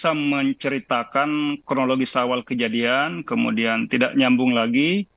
kadang bisa menceritakan kronologis awal kejadian kemudian tidak nyambung lagi